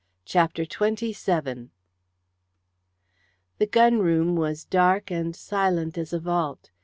CHAPTER XXVII The gun room was dark and silent as a vault.